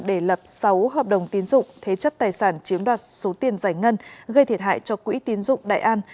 để lập sáu hợp đồng tiến dụng thế chất tài sản chiếm đoạt số tiền giải ngân gây thiệt hại cho quỹ tiến dụng đại an